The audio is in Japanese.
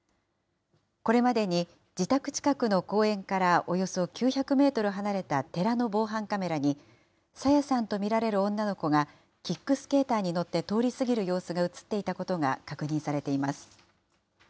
これまでに自宅近くの公園からおよそ９００メートル離れた寺の防犯カメラに朝芽さんと見られる女の子が、キックスケーターに乗って通り過ぎる様子が写っていたことが確認されています。